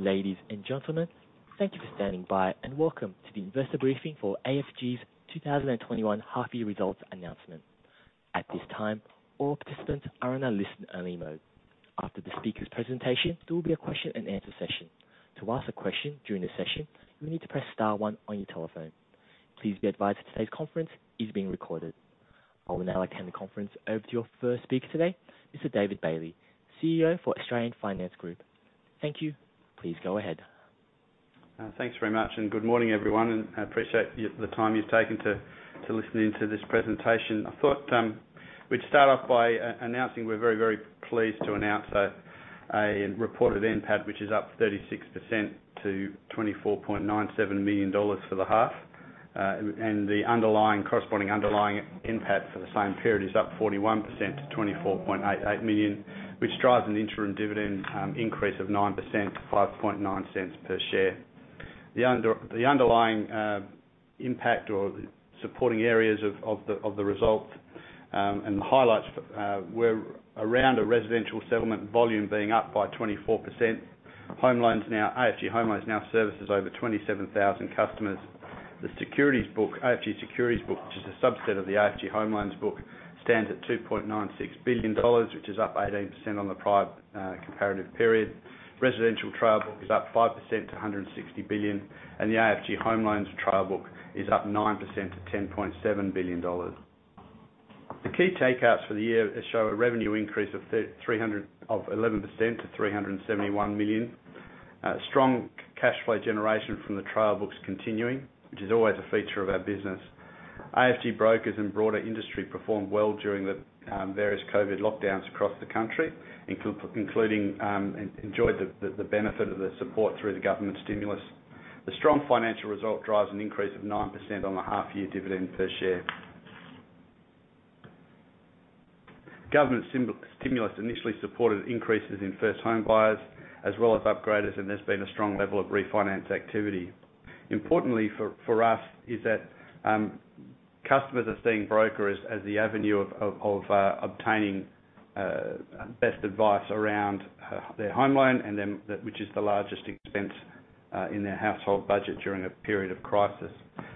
Ladies and gentlemen, thank you for standing by, and welcome to the Investor Briefing for AFG's 2021 half-year results announcement. At this time, all participants are in a listen-only mode. After the speaker's presentation, there will be a question-and-answer session. To ask a question during the session, you will need to press star one on your telephone. Please be advised that today's conference is being recorded. I would now like to hand the conference over to your first speaker today, Mr. David Bailey, CEO for Australian Finance Group. Thank you. Please go ahead. Thanks very much, good morning, everyone, and I appreciate the time you've taken to listening to this presentation. I thought we'd start off by announcing we're very pleased to announce a reported NPAT, which is up 36% to 24.97 million dollars for the half. The corresponding underlying NPAT for the same period is up 41% to 24.88 million, which drives an interim dividend increase of 9% to 0.059 per share. The underlying impact or supporting areas of the result, and the highlights were around a residential settlement volume being up by 24%. AFG Home Loans now services over 27,000 customers. The securities book, AFG Securities book, which is a subset of the AFG Home Loans book, stands at 2.96 billion dollars, which is up 18% on the prior comparative period. Residential trail book is up 5% to 160 billion, and the AFG Home Loans trail book is up 9% to 10.7 billion dollars. The key takeouts for the year show a revenue increase of 11% to 371 million. Strong cash flow generation from the trail book's continuing, which is always a feature of our business. AFG brokers and broader industry performed well during the various COVID-19 lockdowns across the country, including enjoyed the benefit of the support through the government stimulus. The strong financial result drives an increase of 9% on the half-year dividend per share. Government stimulus initially supported increases in first home buyers as well as upgraders, and there's been a strong level of refinance activity. Importantly for us is that customers are seeing brokers as the avenue of obtaining best advice around their home loan, which is the largest expense in their household budget during a period of crisis.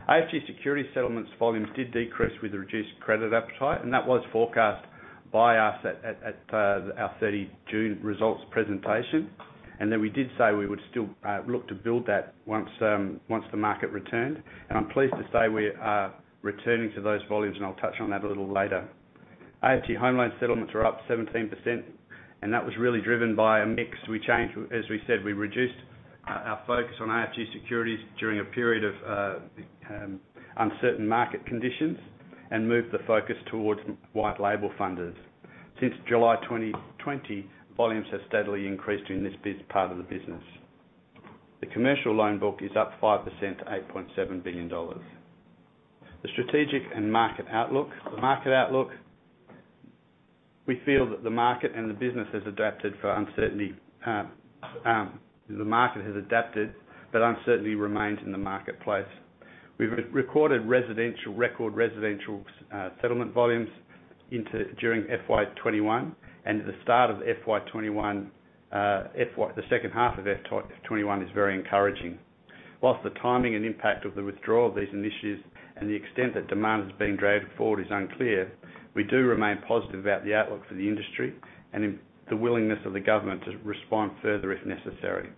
AFG Securities settlements volumes did decrease with a reduced credit appetite, that was forecast by us at our June 30 results presentation. We did say we would still look to build that once the market returned, and I'm pleased to say we are returning to those volumes, and I'll touch on that a little later. AFG Home Loans settlements were up 17%, that was really driven by a mix. As we said, we reduced our focus on AFG Securities during a period of uncertain market conditions and moved the focus towards white label funders. Since July 2020, volumes have steadily increased in this part of the business. The commercial loan book is up 5% to 8.7 billion dollars. The strategic and market outlook. The market outlook, we feel that the market and the business has adapted for uncertainty, but uncertainty remains in the marketplace. We've recorded record residential settlement volumes during FY 2021, and the start of the second half of FY 2021 is very encouraging. While the timing and impact of the withdrawal of these initiatives and the extent that demand has been dragged forward is unclear, we do remain positive about the outlook for the industry and in the willingness of the government to respond further if necessary.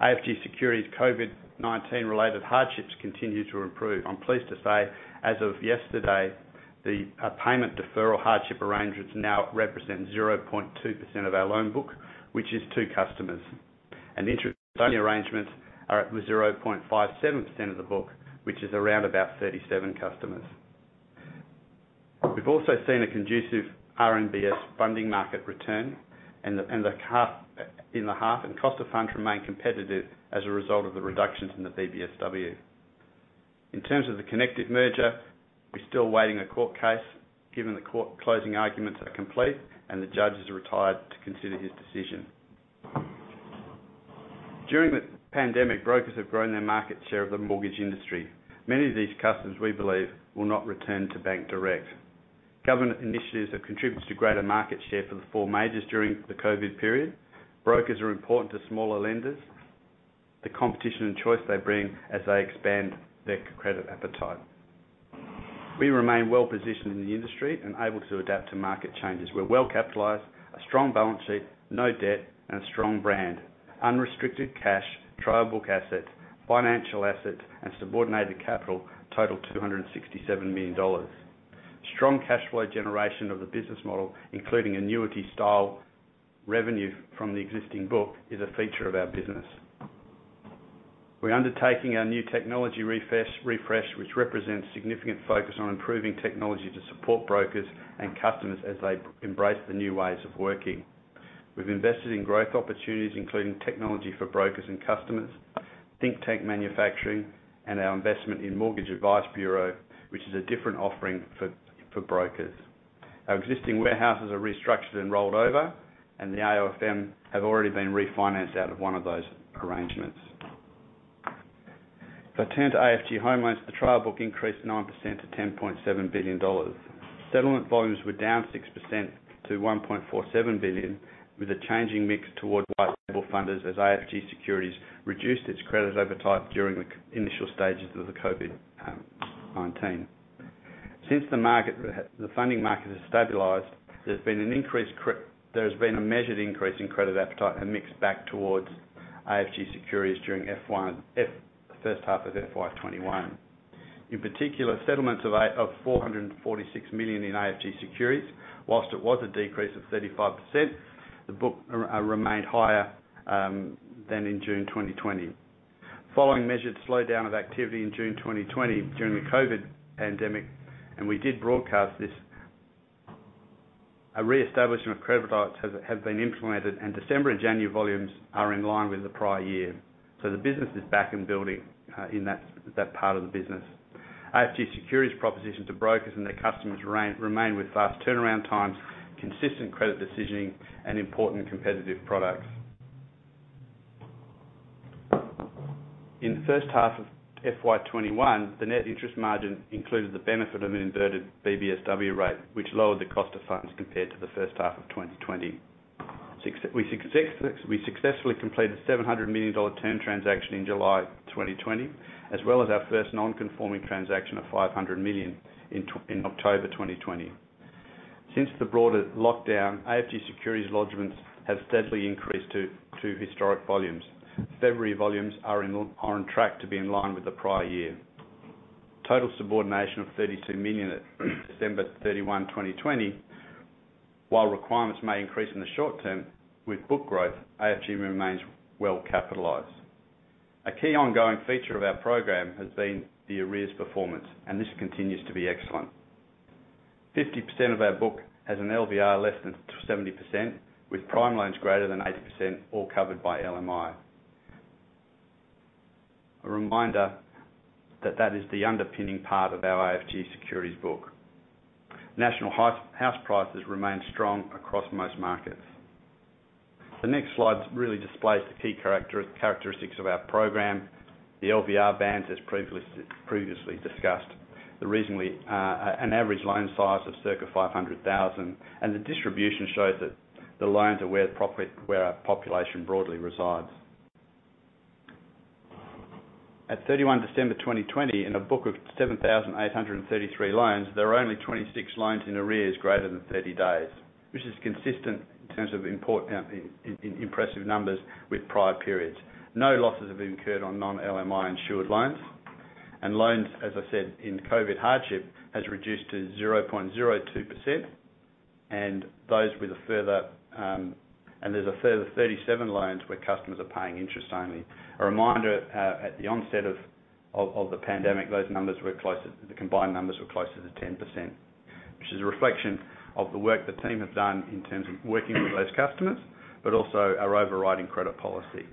AFG Securities COVID-19 related hardships continue to improve. I'm pleased to say, as of yesterday, the payment deferral hardship arrangements now represent 0.2% of our loan book, which is two customers. Interest-only arrangements are at 0.57% of the book, which is around about 37 customers. We've also seen a conducive RMBS funding market return in the half, and cost of funds remain competitive as a result of the reductions in the BBSW. In terms of the Connective merger, we're still awaiting a court case, given the closing arguments are complete and the judge has retired to consider his decision. During the pandemic, brokers have grown their market share of the mortgage industry. Many of these customers, we believe, will not return to bank direct. Government initiatives have contributed to greater market share for the four majors during the COVID-19 period. Brokers are important to smaller lenders, the competition and choice they bring as they expand their credit appetite. We remain well-positioned in the industry and able to adapt to market changes. We're well capitalized, a strong balance sheet, no debt, and a strong brand. Unrestricted cash, trail book asset, financial asset, and subordinated capital total 267 million dollars. Strong cash flow generation of the business model, including annuity style revenue from the existing book, is a feature of our business. We're undertaking our new technology refresh, which represents significant focus on improving technology to support brokers and customers as they embrace the new ways of working. We've invested in growth opportunities, including technology for brokers and customers, Thinktank manufacturing, and our investment in Mortgage Advice Bureau, which is a different offering for brokers. Our existing warehouses are restructured and rolled over, and the AOFM have already been refinanced out of one of those arrangements. If I turn to AFG Home Loans, the trail book increased 9% to 10.7 billion dollars. Settlement volumes were down 6% to 1.47 billion, with a changing mix toward white label funders as AFG Securities reduced its credit appetite during the initial stages of the COVID-19. Since the funding market has stabilized, there has been a measured increase in credit appetite and mix back towards AFG Securities during the first half of FY 2021. In particular, settlements of 446 million in AFG Securities, whilst it was a decrease of 35%, the book remained higher than in June 2020. Following measured slowdown of activity in June 2020 during the COVID pandemic, and we did broadcast this, a reestablishment of credit appetites have been implemented, and December and January volumes are in line with the prior year. The business is back and building in that part of the business. AFG Securities proposition to brokers and their customers remain with fast turnaround times, consistent credit decisioning, and important and competitive products. In the first half of FY 2021, the net interest margin included the benefit of an inverted BBSW rate, which lowered the cost of funds compared to the first half of 2020. We successfully completed a 700 million dollar term transaction in July 2020, as well as our first non-conforming transaction of 500 million in October 2020. Since the broader lockdown, AFG Securities lodgments have steadily increased to historic volumes. February volumes are on track to be in line with the prior year. Total subordination of 32 million at December 31, 2020. While requirements may increase in the short term with book growth, AFG remains well capitalized. A key ongoing feature of our program has been the arrears performance, and this continues to be excellent. 50% of our book has an LVR less than 70%, with prime loans greater than 80% all covered by LMI. A reminder that that is the underpinning part of our AFG Securities book. National house prices remain strong across most markets. The next slide really displays the key characteristics of our program. The LVR bands, as previously discussed. An average loan size of circa 500,000, and the distribution shows that the loans are where our population broadly resides. At December 31, 2020, in a book of 7,833 loans, there are only 26 loans in arrears greater than 30 days, which is consistent in terms of impressive numbers with prior periods. No losses have been incurred on non-LMI insured loans. Loans, as I said, in COVID hardship, has reduced to 0.02%, and there's a further 37 loans where customers are paying interest only. A reminder, at the onset of the pandemic, the combined numbers were closer to 10%, which is a reflection of the work the team have done in terms of working with those customers, but also our overriding credit policy.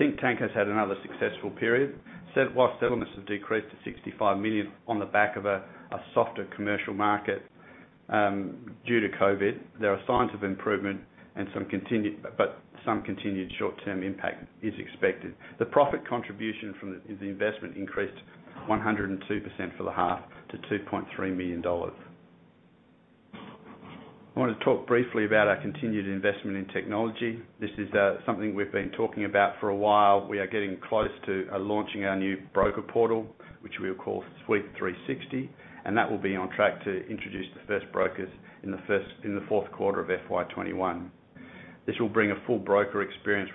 Thinktank has had another successful period. Whilst settlements have decreased to 65 million on the back of a softer commercial market due to COVID, there are signs of improvement, but some continued short-term impact is expected. The profit contribution from the investment increased 102% for the half to 2.3 million dollars. I want to talk briefly about our continued investment in technology. This is something we've been talking about for a while. We are getting close to launching our new broker portal, which we will call Suite360, and that will be on track to introduce the first brokers in the fourth quarter of FY 2021. This will bring a full broker experience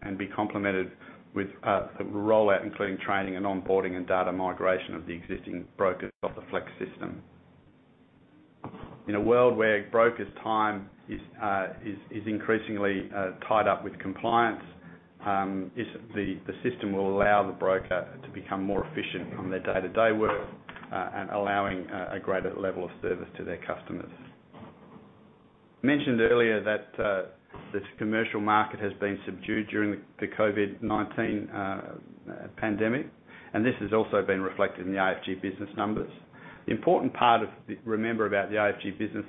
and be complemented with a rollout including training and onboarding and data migration of the existing brokers of the Flex system. In a world where brokers' time is increasingly tied up with compliance, the system will allow the broker to become more efficient on their day-to-day work, and allowing a greater level of service to their customers. Mentioned earlier that the commercial market has been subdued during the COVID-19 pandemic, and this has also been reflected in the AFG business numbers. The important part to remember about the AFG business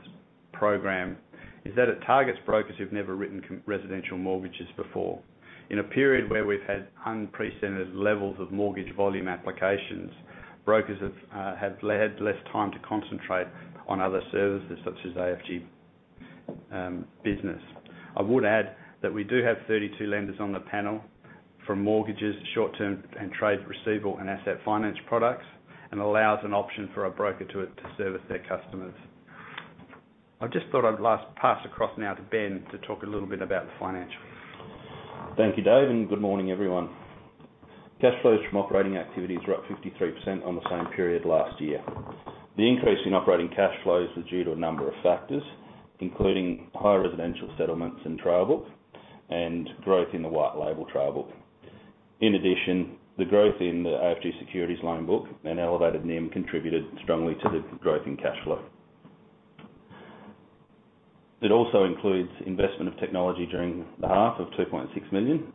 program is that it targets brokers who've never written residential mortgages before. In a period where we've had unprecedented levels of mortgage volume applications, brokers have had less time to concentrate on other services such as AFG business. I would add that we do have 32 lenders on the panel for mortgages, short-term and trade receivable, and asset finance products, and allows an option for a broker to service their customers. I just thought I'd last pass across now to Ben to talk a little bit about the financials. Thank you, Dave, and good morning, everyone. Cash flows from operating activities were up 53% on the same period last year. The increase in operating cash flows was due to a number of factors, including high residential settlements and trail book and growth in the white label trail book. In addition, the growth in the AFG Securities loan book and elevated NIM contributed strongly to the growth in cash flow. It also includes investment of technology during the half of 2.6 million.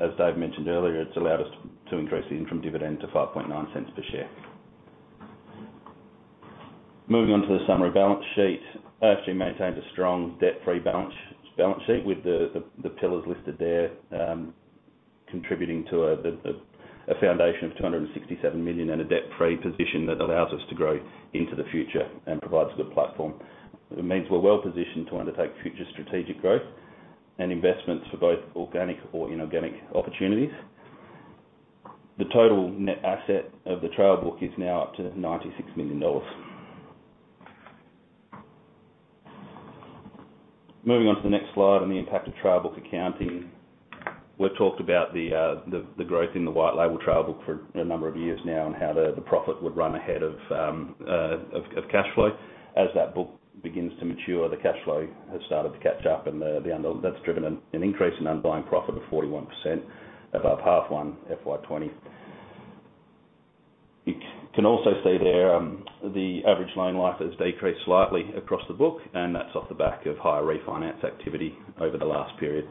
As Dave mentioned earlier, it's allowed us to increase the interim dividend to 0.059 per share. Moving on to the summary balance sheet. AFG maintains a strong debt-free balance sheet with the pillars listed there, contributing to a foundation of 267 million and a debt-free position that allows us to grow into the future and provides a good platform. It means we're well-positioned to undertake future strategic growth and investments for both organic or inorganic opportunities. The total net asset of the trail book is now up to 96 million dollars. Moving on to the next slide on the impact of trail book accounting. We've talked about the growth in the white label trail book for a number of years now, and how the profit would run ahead of cashflow. As that book begins to mature, the cashflow has started to catch up and that's driven an increase in underlying profit of 41% above half one FY 2020. You can also see there, the average loan life has decreased slightly across the book, and that's off the back of higher refinance activity over the last period.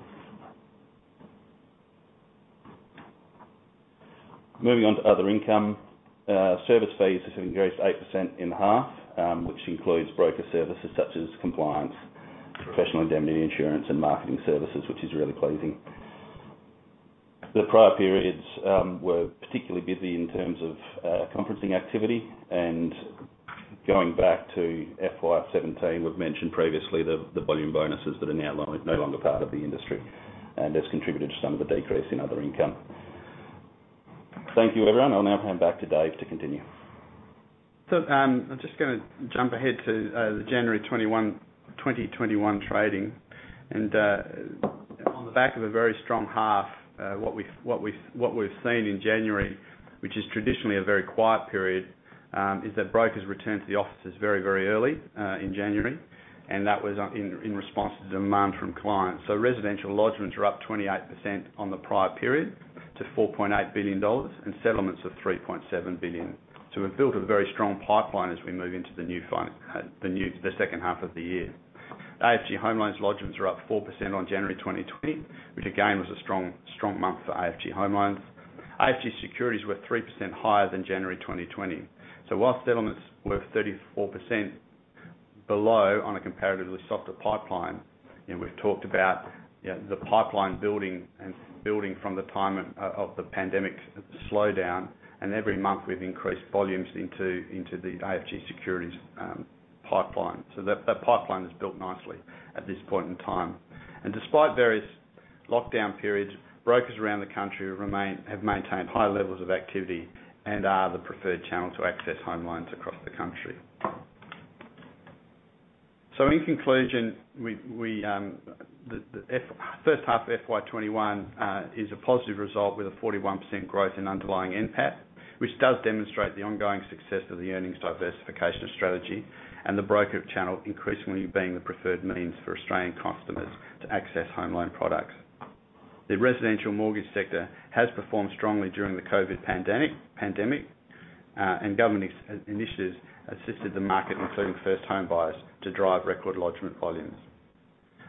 Moving on to other income. Service fees have increased 8% in half, which includes broker services such as compliance, professional indemnity insurance, and marketing services, which is really pleasing. The prior periods were particularly busy in terms of conferencing activity. Going back to FY 2017, we've mentioned previously the volume bonuses that are now no longer part of the industry, and that's contributed to some of the decrease in other income. Thank you, everyone. I'll now hand back to Dave to continue. I'm just going to jump ahead to the January 2021 trading. On the back of a very strong half, what we've seen in January, which is traditionally a very quiet period, is that brokers returned to the offices very early in January, and that was in response to demand from clients. Residential lodgments are up 28% on the prior period to 4.8 billion dollars, and settlements of 3.7 billion. We've built a very strong pipeline as we move into the second half of the year. AFG Home Loans lodgments are up 4% on January 2020, which again, was a strong month for AFG Home Loans. AFG Securities were 3% higher than January 2020. Whilst settlements were 34% below on a comparatively softer pipeline, and we've talked about the pipeline building and building from the time of the pandemic slowdown, and every month we've increased volumes into the AFG Securities pipeline. That pipeline is built nicely at this point in time. Despite various lockdown periods, brokers around the country have maintained high levels of activity and are the preferred channel to access home loans across the country. In conclusion, the first half of FY 2021 is a positive result with a 41% growth in underlying NPAT, which does demonstrate the ongoing success of the earnings diversification strategy and the broker channel increasingly being the preferred means for Australian customers to access home loan products. The residential mortgage sector has performed strongly during the COVID pandemic, and government initiatives assisted the market, including first home buyers, to drive record lodgment volumes.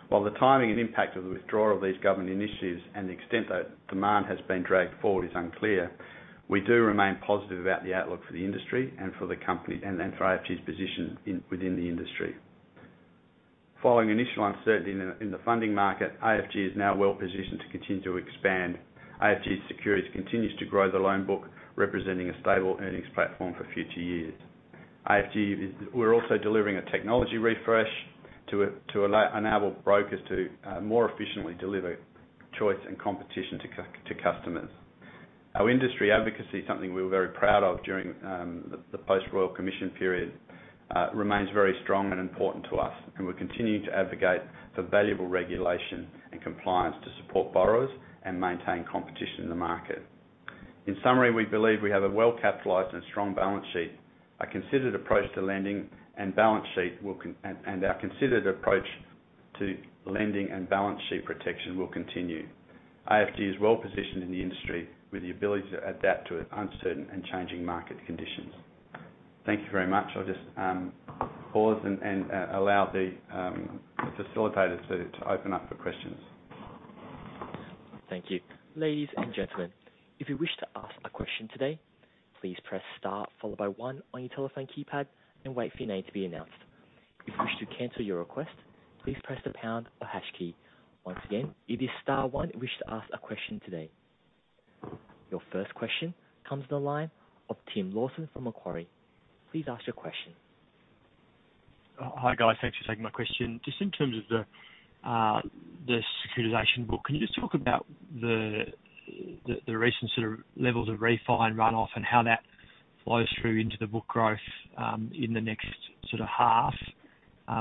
While the timing and impact of the withdrawal of these government initiatives and the extent that demand has been dragged forward is unclear, we do remain positive about the outlook for the industry and for the company, and then for AFG's position within the industry. Following initial uncertainty in the funding market, AFG is now well positioned to continue to expand. AFG Securities continues to grow the loan book, representing a stable earnings platform for future years. We're also delivering a technology refresh to enable brokers to more efficiently deliver choice and competition to customers. Our industry advocacy, something we were very proud of during the post Royal Commission period, remains very strong and important to us, and we're continuing to advocate for valuable regulation and compliance to support borrowers and maintain competition in the market. In summary, we believe we have a well-capitalized and strong balance sheet. Our considered approach to lending and balance sheet protection will continue. AFG is well positioned in the industry with the ability to adapt to uncertain and changing market conditions. Thank you very much. I will just pause and allow the facilitators to open up for questions. Thank you. Ladies and gentlemen, if you wish to ask a question today, please press star followed by one on your telephone keypad and wait for your name to be announced. If you wish to cancel your request, please press the pound or hash key. Once again, it is star one if you wish to ask a question today. Your first question comes to the line of Tim Lawson from Macquarie. Please ask your question. Hi, guys. Thanks for taking my question. Just in terms of the securitization book, can you just talk about the recent sort of levels of refi and runoff and how that flows through into the book growth, in the next sort of half?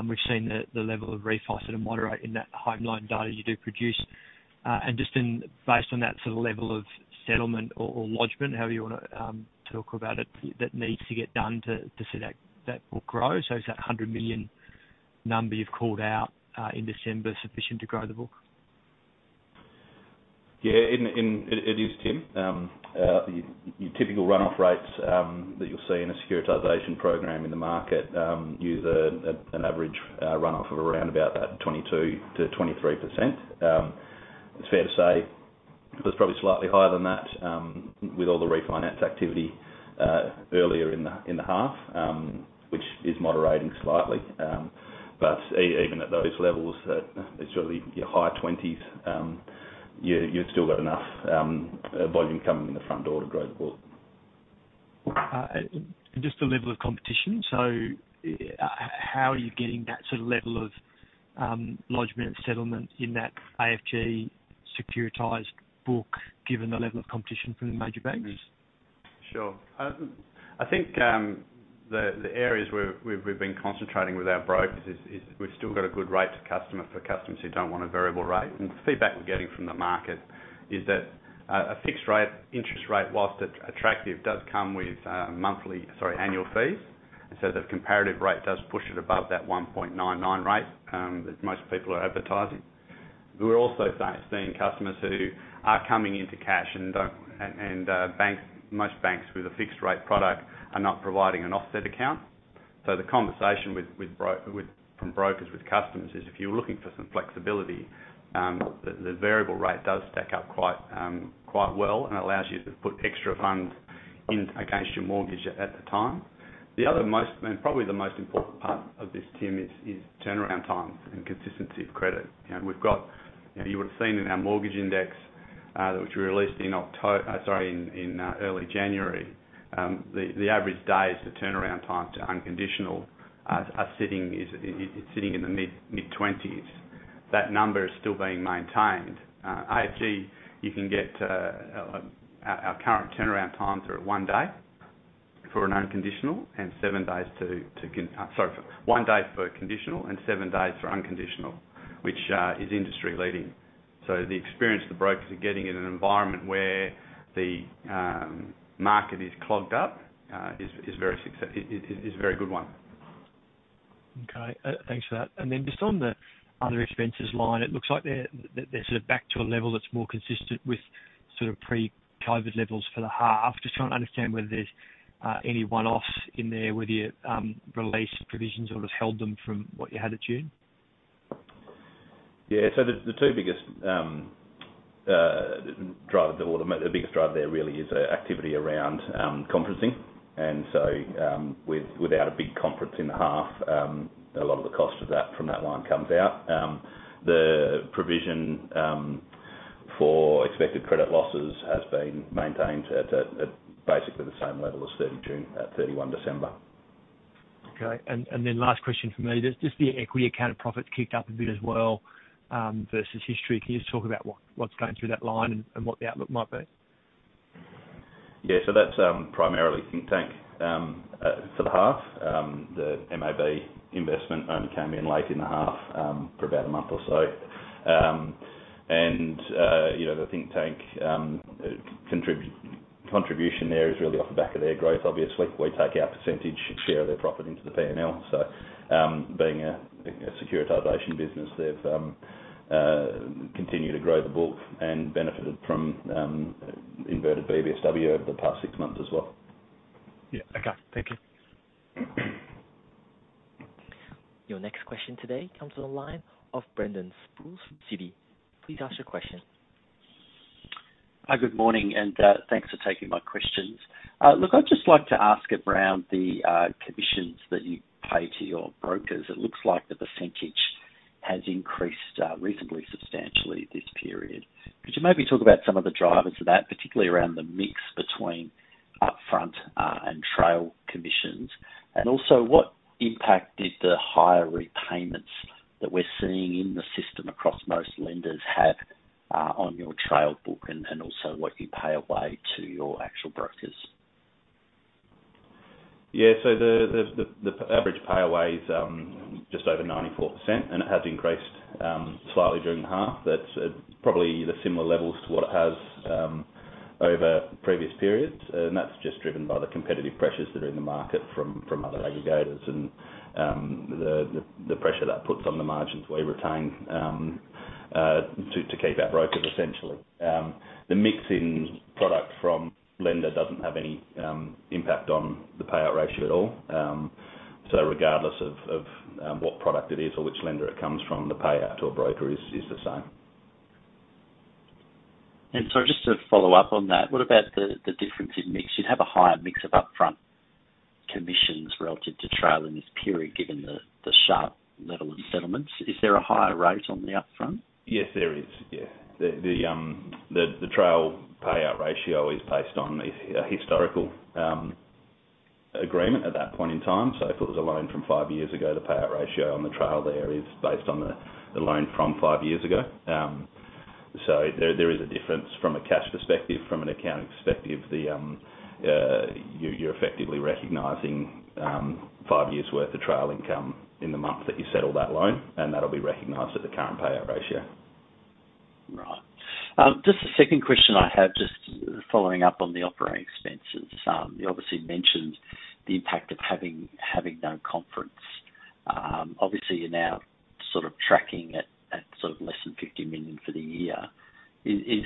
We've seen the level of refi sort of moderate in that home loan data you do produce. Just based on that sort of level of settlement or lodgment, however you want to talk about it, that needs to get done to see that book grow. Is that 100 million number you've called out in December sufficient to grow the book? Yeah, it is, Tim. Your typical runoff rates, that you'll see in a securitization program in the market, use an average runoff of around about that 22%-23%. It's fair to say It was probably slightly higher than that with all the refinance activity earlier in the half, which is moderating slightly. Even at those levels, it's really your high 20s, you've still got enough volume coming in the front door to grow the book. Just the level of competition. How are you getting that sort of level of lodgement and settlement in that AFG securitized book, given the level of competition from the major banks? Sure. I think the areas where we've been concentrating with our brokers is we've still got a good rate for customers who don't want a variable rate. The feedback we're getting from the market is that a fixed rate interest rate, whilst attractive, does come with annual fees. The comparative rate does push it above that 1.99% rate that most people are advertising. We're also seeing customers who are coming into cash and most banks with a fixed rate product are not providing an offset account. The conversation from brokers with customers is, if you're looking for some flexibility, the variable rate does stack up quite well and allows you to put extra funds in against your mortgage at the time. Probably the most important part of this, Tim, is turnaround times and consistency of credit. You would've seen in our mortgage index, which we released in early January, the average days, the turnaround time to unconditional, it's sitting in the mid-20s. That number is still being maintained. AFG, our current turnaround times are at one day for a conditional and seven days for unconditional, which is industry leading. The experience the brokers are getting in an environment where the market is clogged up is a very good one. Okay, thanks for that. Just on the other expenses line, it looks like they're sort of back to a level that's more consistent with sort of pre-COVID levels for the half. Just trying to understand whether there's any one-offs in there, whether you released provisions or just held them from what you had at June. Yeah, the biggest drive there really is activity around conferencing. Without a big conference in the half, a lot of the cost from that line comes out. The provision for expected credit losses has been maintained at basically the same level as December 31. Okay. Last question from me. Just the equity account profits kicked up a bit as well, versus history. Can you just talk about what's going through that line and what the outlook might be? Yeah, that's primarily Thinktank for the half. The MAB investment only came in late in the half, for about a month or so. The Thinktank contribution there is really off the back of their growth, obviously. We take our percentage share of their profit into the P&L. Being a securitization business, they've continued to grow the book and benefited from inverted BBSW over the past six months as well. Yeah. Okay. Thank you. Your next question today comes on the line of Brendan Sproules from Citi. Please ask your question. Hi, good morning, and thanks for taking my questions. Look, I'd just like to ask around the commissions that you pay to your brokers. It looks like the percentage has increased reasonably substantially this period. Could you maybe talk about some of the drivers of that, particularly around the mix between upfront and trail commissions? Also, what impact did the higher repayments that we're seeing in the system across most lenders have on your trail book, and also what you pay away to your actual brokers? Yeah, the average pay away is just over 94%, and it has increased slightly during the half. That's probably the similar levels to what it has over previous periods. That's just driven by the competitive pressures that are in the market from other aggregators and the pressure that puts on the margins we retain to keep our brokers, essentially. The mix in product from lender doesn't have any impact on the payout ratio at all. Regardless of what product it is or which lender it comes from, the payout to a broker is the same. Just to follow up on that, what about the difference in mix? You'd have a higher mix of upfront commissions relative to trail in this period, given the sharp level in settlements. Is there a higher rate on the upfront? Yes, there is. Yeah. The trail payout ratio is based on a historical agreement at that point in time. If it was a loan from five years ago, the payout ratio on the trail there is based on the loan from five years ago. From an account perspective, you're effectively recognizing five years' worth of trail income in the month that you settle that loan, and that'll be recognized at the current payout ratio. Just a second question I have, just following up on the operating expenses. You obviously mentioned the impact of having no conference. Obviously, you're now sort of tracking at less than 50 million for the year. Is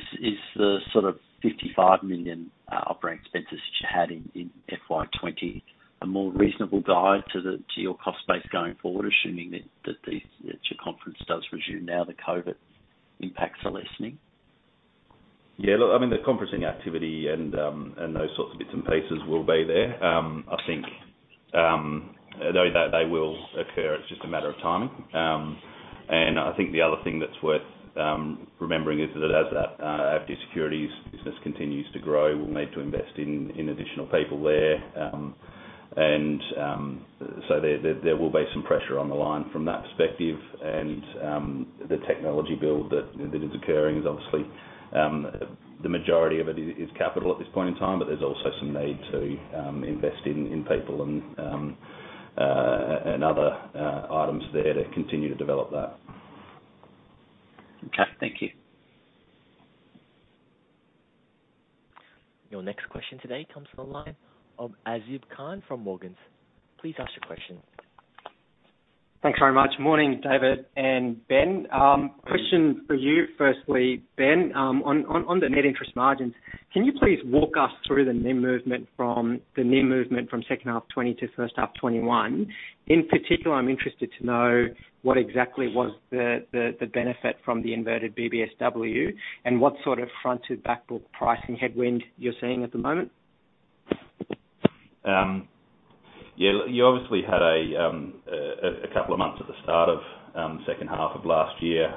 the sort of 55 million operating expenses had in FY 2020 a more reasonable guide to your cost base going forward, assuming that your conference does resume now the COVID impacts are lessening? Yeah. Look, the conferencing activity and those sorts of bits and pieces will be there. I think they will occur. It's just a matter of timing. I think the other thing that's worth remembering is that as AFG Securities business continues to grow, we'll need to invest in additional people there. There will be some pressure on the line from that perspective. The technology build that is occurring, obviously, the majority of it is capital at this point in time, but there's also some need to invest in people and other items there to continue to develop that. Okay, thank you. Your next question today comes from the line of Azib Khan from Morgans. Thanks very much. Morning, David and Ben. Question for you, firstly, Ben. On the net interest margins, can you please walk us through the NIM movement from second half 2020 to first half 2021? In particular, I'm interested to know what exactly was the benefit from the inverted BBSW, and what sort of front to back book pricing headwind you're seeing at the moment. Yeah, you obviously had a couple of months at the start of the second half of last year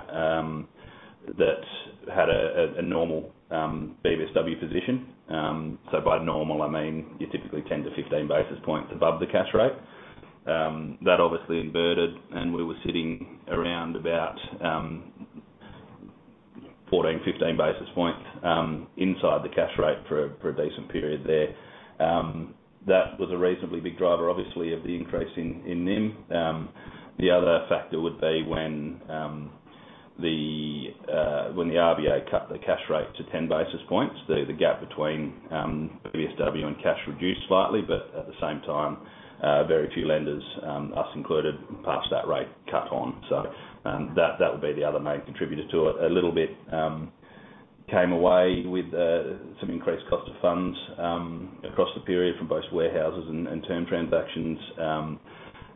that had a normal BBSW position. By normal, I mean you're typically 10-15 basis points above the cash rate. That obviously inverted, and we were sitting around about 14, 15 basis points inside the cash rate for a decent period there. That was a reasonably big driver, obviously, of the increase in NIM. The other factor would be when the RBA cut the cash rate to 10 basis points, the gap between BBSW and cash reduced slightly, but at the same time, very few lenders, us included, passed that rate cut on. That would be the other main contributor to it. A little bit came away with some increased cost of funds across the period from both warehouses and term transactions,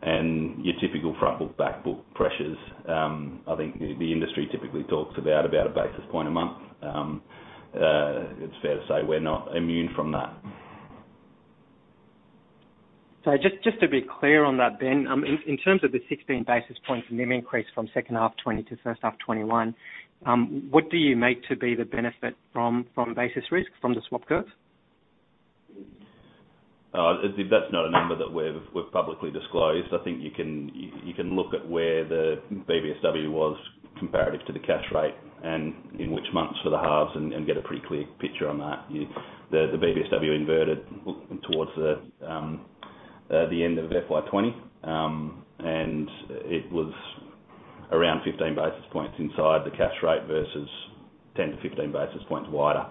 and your typical front book/back book pressures. I think the industry typically talks about a basis point a month. It is fair to say we are not immune from that. Just to be clear on that, Ben, in terms of the 16 basis points NIM increase from second half 2020 to first half 2021, what do you make to be the benefit from basis risk from the swap curve? That's not a number that we've publicly disclosed. I think you can look at where the BBSW was comparative to the cash rate, and in which months for the halves, and get a pretty clear picture on that. The BBSW inverted towards the end of FY 2020, and it was around 15 basis points inside the cash rate versus 10-15 basis points wider.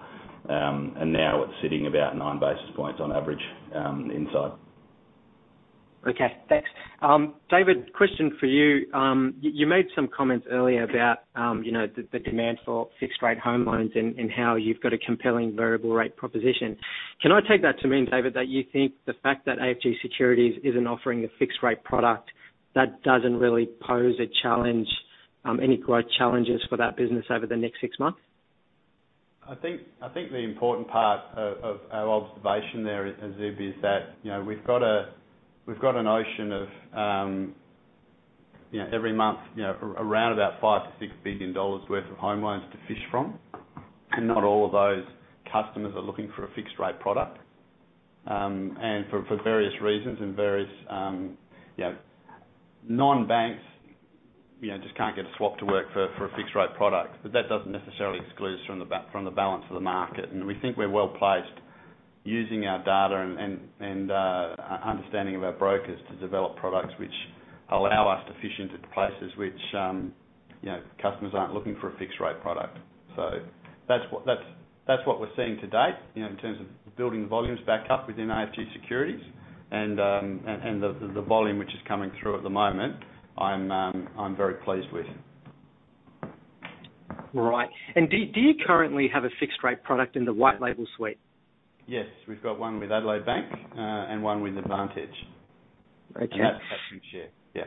Now it's sitting about 9 basis points on average inside. Okay, thanks. David, question for you. You made some comments earlier about the demand for fixed rate home loans and how you've got a compelling variable rate proposition. Can I take that to mean, David, that you think the fact that AFG Securities isn't offering a fixed rate product, that doesn't really pose any growth challenges for that business over the next six months? I think the important part of our observation there, Azib, is that we've got a notion of every month, around about 5 billion-6 billion dollars worth of home loans to fish from. Not all of those customers are looking for a fixed rate product. For various reasons, non-banks just can't get a swap to work for a fixed rate product. That doesn't necessarily exclude us from the balance of the market. We think we're well-placed using our data and understanding of our brokers to develop products which allow us to fish into places which customers aren't looking for a fixed-rate product. That's what we're seeing to date in terms of building the volumes back up within AFG Securities and the volume which is coming through at the moment, I'm very pleased with. Right. Do you currently have a fixed-rate product in the white label suite? Yes. We've got one with Adelaide Bank, and one with Advantedge. Okay. That's it. Yeah.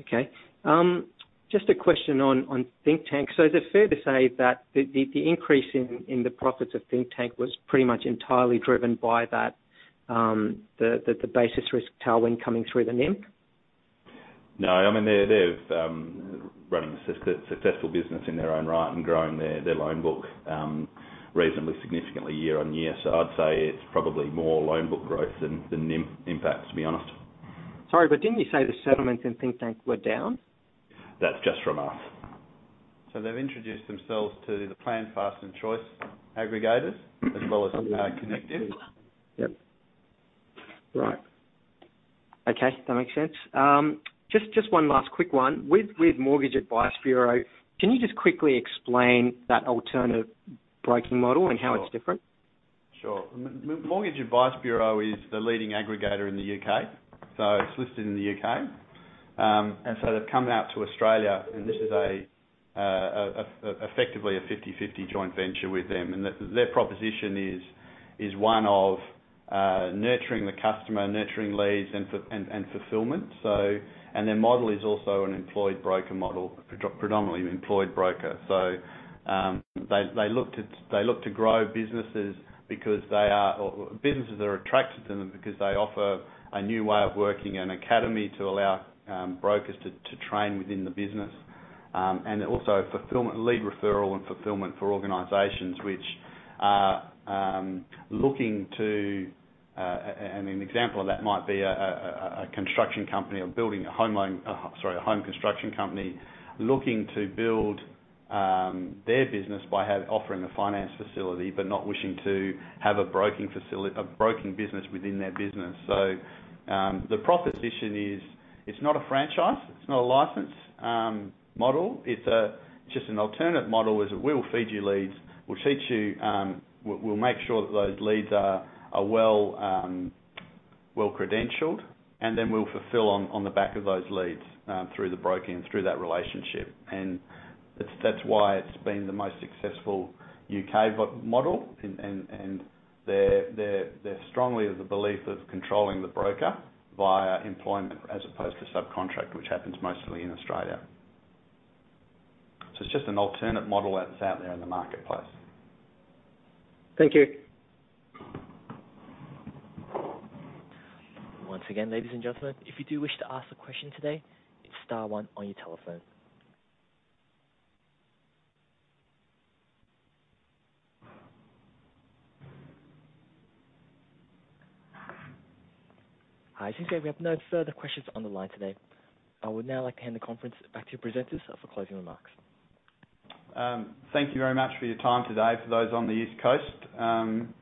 Okay. Just a question on Thinktank. Is it fair to say that the increase in the profits of Thinktank was pretty much entirely driven by the basis risk tailwind coming through the NIM? No. They're running a successful business in their own right and growing their loan book reasonably significantly year-on-year. I'd say it's probably more loan book growth than NIM impacts, to be honest. Sorry, didn't you say the settlements in Thinktank were down? That's just from us. They've introduced themselves to the PLAN, FAST and Choice aggregators as well as Connective. Yep. Right. Okay, that makes sense. Just one last quick one. With Mortgage Advice Bureau, can you just quickly explain that alternative broking model and how it is different? Sure. Mortgage Advice Bureau is the leading aggregator in the U.K., so it's listed in the U.K. So they've come out to Australia, and this is effectively a 50/50 joint venture with them. Their proposition is one of nurturing the customer, nurturing leads, and fulfillment. Their model is also an employed broker model, predominantly employed broker. So they look to grow businesses because businesses are attracted to them because they offer a new way of working, an academy to allow brokers to train within the business. Also lead referral and fulfillment for organizations which are looking. An example of that might be a home construction company looking to build their business by offering a finance facility, but not wishing to have a broking business within their business. The proposition is, it's not a franchise, it's not a license model, it's just an alternate model, is that we'll feed you leads, we'll make sure that those leads are well-credentialed, and then we'll fulfill on the back of those leads through the broking and through that relationship. That's why it's been the most successful U.K. model. They're strongly of the belief of controlling the broker via employment as opposed to subcontract, which happens mostly in Australia. It's just an alternate model that's out there in the marketplace. Thank you. Once again, ladies and gentlemen, if you do wish to ask a question today, it's star one on your telephone. Hi, it seems that we have no further questions on the line today. I would now like to hand the conference back to your presenters for closing remarks. Thank you very much for your time today, for those on the East Coast.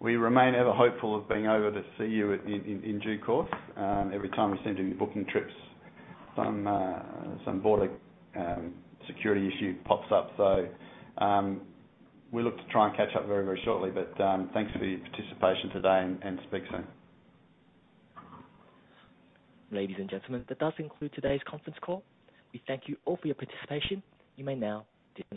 We remain ever hopeful of being over to see you in due course. Every time we seem to be booking trips, some border security issue pops up. We look to try and catch up very shortly. Thanks for your participation today and speak soon. Ladies and gentlemen, that does conclude today's conference call. We thank you all for your participation. You may now disconnect.